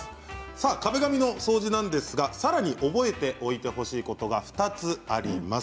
壁紙の掃除なんですがさらに覚えておいてほしいことが２つあります。